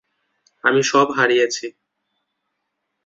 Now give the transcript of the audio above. আমি সব হারিয়েছি।